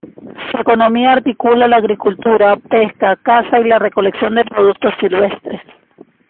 Su economía articula la agricultura, pesca, caza y la recolección de productos silvestres.